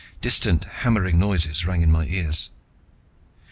Distant hammering noises rang in my ears.